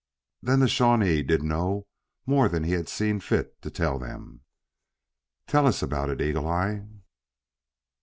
Then the Shawnee did know more than he had seen fit to tell them? "Tell us about it, Eagle eye."